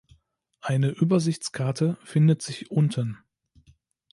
Eine Übersichtskarte findet sich unten.